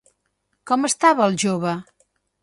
Com estava el jove?